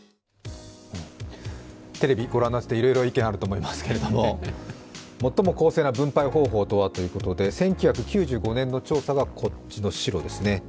テレビ、ご覧になっていていろいろ意見があると思いますが最も公正な分配方法とはということで、１９９５年の調査が、こっちの白です。